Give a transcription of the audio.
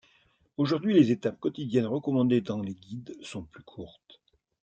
Aujourd'hui, les étapes quotidiennes recommandées dans les guides sont plus courtes.